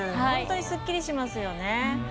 本当にすっきりしますよね。